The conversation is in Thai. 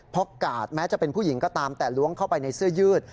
เพราะกาดแม้จะเป็นผู้หญิงก็ตามแต่ล้วงเข้าไปในเสื้อยืด